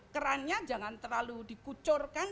kerannya jangan terlalu dikucurkan